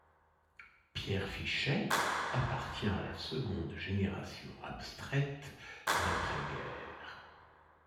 Pierre Fichet appartient à la seconde génération abstraite d’après-guerre.